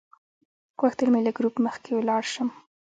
غوښتل مې له ګروپ مخکې لاړ شم.